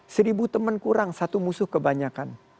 seribu teman kurang satu musuh kebanyakan